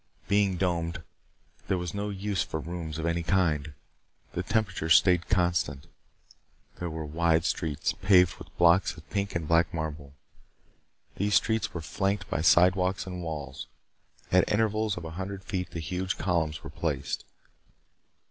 Being domed, there was no use for rooms of any kind. The temperature stayed constant. There were wide streets, paved with blocks of pink and black marble. These streets were flanked by sidewalks and walls. At intervals of a hundred feet the huge columns were placed.